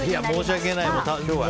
申し訳ない。